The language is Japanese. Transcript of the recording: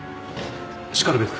しかるべく。